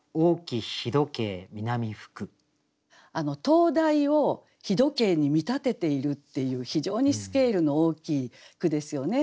灯台を日時計に見立てているっていう非常にスケールの大きい句ですよね。